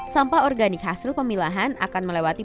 sampah organik hasil pemilahan akan melewati